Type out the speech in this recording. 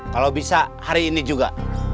kalau bisa hari ini juga